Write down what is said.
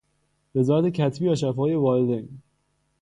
رضایت کتبی یا شفاهی والدین...